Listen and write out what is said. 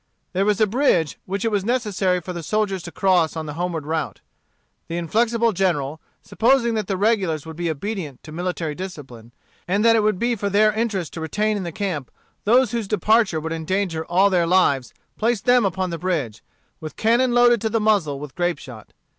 There was a bridge which it was necessary for the soldiers to cross on the homeward route. The inflexible General, supposing that the regulars would be obedient to military discipline, and that it would be for their interest to retain in the camp those whose departure would endanger all their lives placed them upon the bridge, with cannon loaded to the muzzle with grape shot.